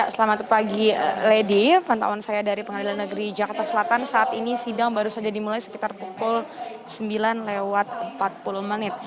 selamat pagi lady pantauan saya dari pengadilan negeri jakarta selatan saat ini sidang baru saja dimulai sekitar pukul sembilan lewat empat puluh menit